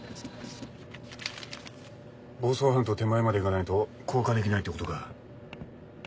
房総半島手前まで行かないと降下できないってことか。